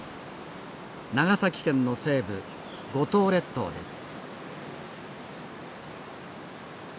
長崎県の西部五島列島です